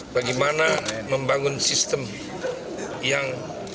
bagaimana membangun sistem yang